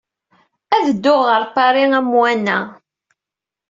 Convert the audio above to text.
Ad dduɣ ɣer Paris, amwan-a.